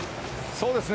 そうですね。